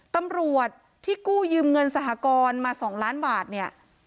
ตำรวจที่กู้ยืมเงินสหกรณ์มา๒ล้านบาทเนี่ย